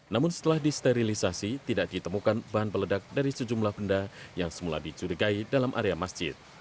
namun setelah disterilisasi tidak ditemukan bahan peledak dari sejumlah benda yang semula dicurigai dalam area masjid